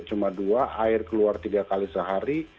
cuma dua air keluar tiga kali sehari